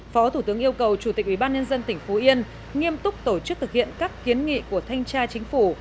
phó thủ tướng yêu cầu chủ tịch ubnd tỉnh phú yên nghiêm túc tổ chức thực hiện các kiến nghị của thanh tra chính phủ